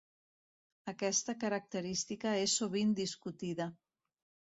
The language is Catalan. Aquesta característica és sovint discutida.